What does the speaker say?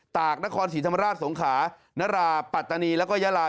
ตากนครศรีธรรมราชสงขานราปัตตานีแล้วก็ยาลา